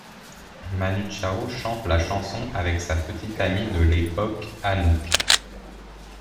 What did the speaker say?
Manu Chao chante la chanson avec sa petite amie de l'époque Anouk.